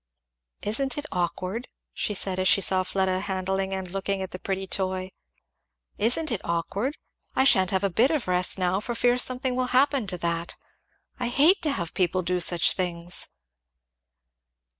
"Isn't it awkward?" she said as she saw Fleda handling and looking at the pretty toy, "Isn't it awkward? I sha'n't have a bit of rest now for fear something will happen to that. I hate to have people do such things!"